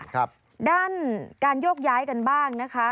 ครับด้านการโยกย้ายกันบ้างนะคะ